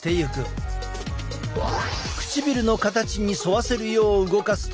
唇の形にそわせるよう動かすと塗りやすい。